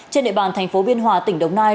trên địa bàn thành phố biên hòa tỉnh đồng nai